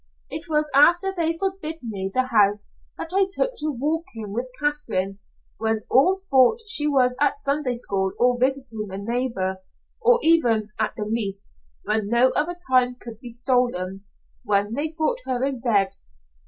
It was after they forbid me the house that I took to walking with Katherine, when all thought she was at Sunday School or visiting a neighbor, or even at the last when no other time could be stolen when they thought her in bed.